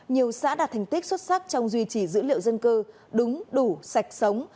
nhiều xã đạt thành tích xuất sắc trong duy trì dữ liệu dân cư đúng đủ sạch sống